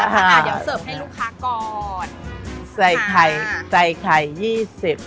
อ่าอยากเสิร์ฟให้ลูกค้าก่อนไส้ไข่ใส้ไข่ยี่สิบ